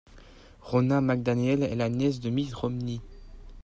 Ronna McDaniel est la nièce de Mitt Romney.